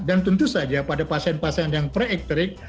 dan tentu saja pada pasien pasien yang pre ecterik